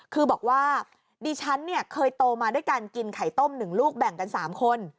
คือบอกว่าดิฉันเนี่ยเคยโตมาด้วยการกินไข่ต้ม๑ลูกแบ่งกัน๓คน